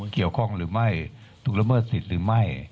เกี่ยวข้องหรือไม่ถูกละเมิดสิทธิ์หรือไม่